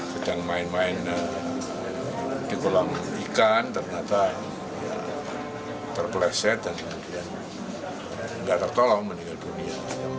sedang main main di kolam ikan ternyata terpleset dan kemudian tidak tertolong meninggal dunia